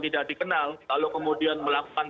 tidak dikenal kalau kemudian melakukan